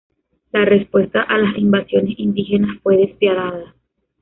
La respuesta a las invasiones indígenas fue despiadada.